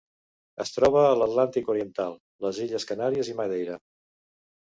Es troba a l'Atlàntic oriental: les illes Canàries i Madeira.